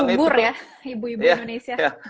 subur ya ibu ibu indonesia